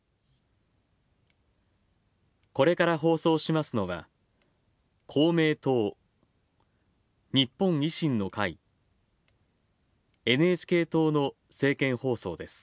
これから放送しますのは、公明党日本維新の会ＮＨＫ党の政見放送です。